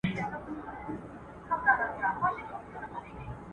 اقتصاد پوهنځۍ بې له ځنډه نه پیلیږي.